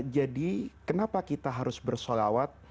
jadi kenapa kita harus bersalawat